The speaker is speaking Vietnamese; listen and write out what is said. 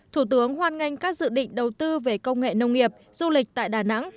thủ tướng hoan nghênh các dự định đầu tư về công nghệ nông nghiệp du lịch tại đà nẵng